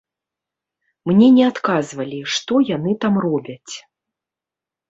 Мне не адказвалі, што яны там робяць.